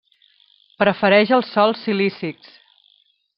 Prefereix els sòls silícics.